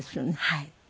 はい。